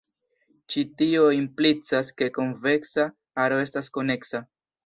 Ĉi tio implicas ke konveksa aro estas koneksa.